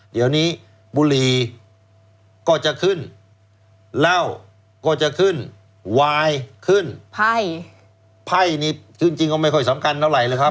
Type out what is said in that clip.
เดี๋ยวนี้บุหรี่ก็จะขึ้นเหล้าก็จะขึ้นวายขึ้นไพ่นี่จริงก็ไม่ค่อยสำคัญเท่าไหร่เลยครับ